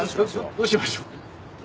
どうしましょう。